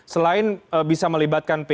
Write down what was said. selain bisa melibatkan